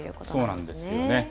そうなんですよね。